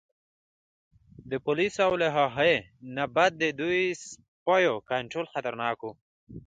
د پولیسو او له هغې نه بد د دوی د سپیو کنترول خطرناک و.